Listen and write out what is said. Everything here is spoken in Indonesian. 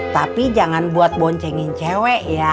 tapi jangan buat boncengin cewek ya